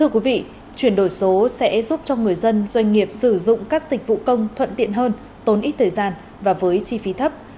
công an sẽ giúp cho người dân doanh nghiệp sử dụng các dịch vụ công thuận tiện hơn tốn ít thời gian và với chi phí thấp